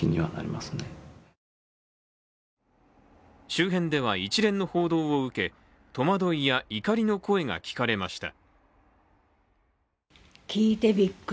周辺では、一連の報道を受け戸惑いや怒りの声が聞かれました。